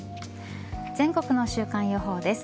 全国の週間予報です。